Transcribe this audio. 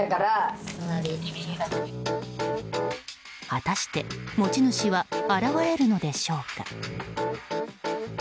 果たして持ち主は現れるのでしょうか。